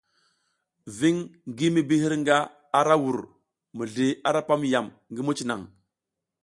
Viŋ ngi mi bi hirga ara ra vur, mizli ara pam yam ngi muc naŋ.